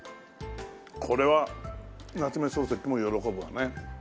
これは夏目漱石も喜ぶわね。